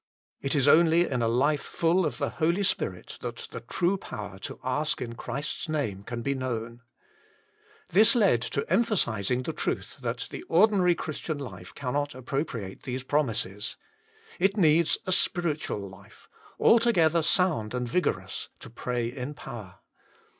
It is only in a life full of the Holy Spirit that the true power to ask in Christ s Name can be known. This led to the emphasising the truth that the ordinary Christian life cannot appropriate these promises. It needs a spiritual life, altogether sound and vigorous, to pray in power.